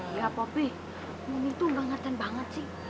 iya popi mami tuh gak ngerti banget sih